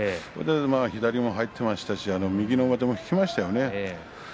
左も入っていましたし右の上手を引きましたね。